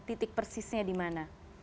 titik persisnya dimana